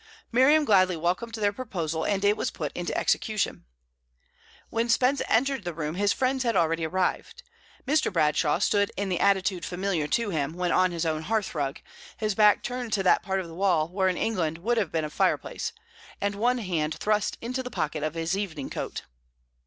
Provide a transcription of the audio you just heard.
Miriam gladly welcomed their proposal, and it was put into execution. When Spence entered the room his friends had already arrived. Mr. Bradshaw stood in the attitude familiar to him when on his own hearthrug, his back turned to that part of the wall where in England would have been a fireplace, and one hand thrust into the pocket of his evening coat.